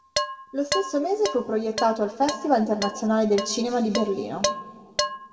Lo stesso mese fu proiettato al Festival internazionale del cinema di Berlino.